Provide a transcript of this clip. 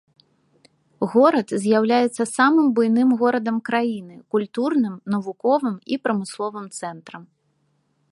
Горад з'яўляецца самым буйным горадам краіны, культурным, навуковым і прамысловым цэнтрам.